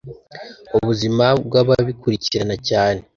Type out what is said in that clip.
ubuzima bw’ababikurikirana cyane